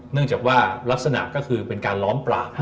เนื่องจากว่าลักษณะก็คือเป็นการล้อมปลา